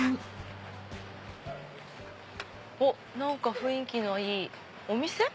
何か雰囲気のいいお店？